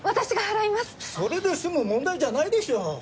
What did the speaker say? それで済む問題じゃないでしょう。